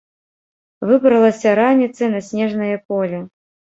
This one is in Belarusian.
Выбралася раніцай на снежнае поле.